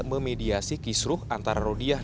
memediasi kisruh antara rodiah